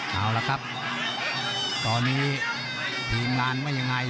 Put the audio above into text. เอาละครับตอนนี้ทีมงานว่ายังไง